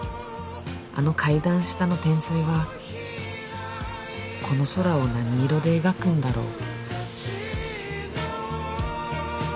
あの階段下の天才はこの空を何色で描くんだろう